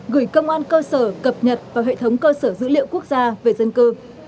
gửi công an cơ sở cập nhật vào hệ thống cơ sở dữ liệu quốc gia về dân cư